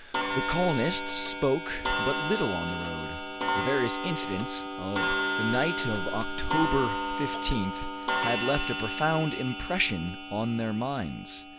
The colonists spoke but little on the road. The various incidents of the night of October 15th had left a profound impression on their minds.